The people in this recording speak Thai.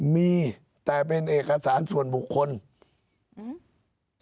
มีแต่เป็นเอกสารส่วนบุคคลอืม